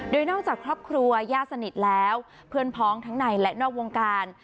โดยนอกจากครอบครัวย่าสนิทแล้วเพื่อนพ้องทั้งในและนอกวงการ